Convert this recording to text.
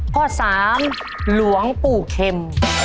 ข้อสามหลวงปู่เค็ม